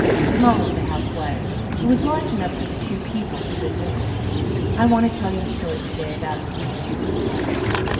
Small as the house was, it was large enough for the two people who lived in it. I want to tell you a story to day about these two people.